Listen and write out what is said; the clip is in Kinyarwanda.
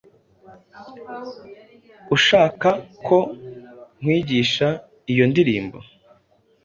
Urashaka ko nkwigisha iyo ndirimbo?